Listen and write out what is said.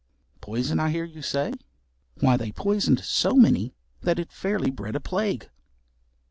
Poison, I hear you say? Why, they poisoned so many that it fairly bred a plague.